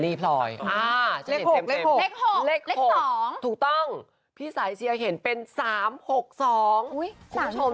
เฮ้ยอยากทะเลาะกัน